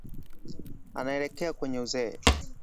anaelekea kwenye uzee